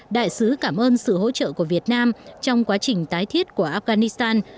đại sứ cảm ơn sự hỗ trợ của việt nam trong quá trình tái thiết của afghanistan